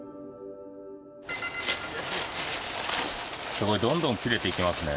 すごい！どんどん切れていきますね。